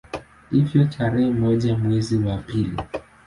Hivyo tarehe moja mwezi wa pili